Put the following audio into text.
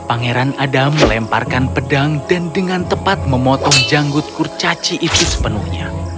pangeran adam melemparkan pedang dan dengan tepat memotong janggut kurcaci itu sepenuhnya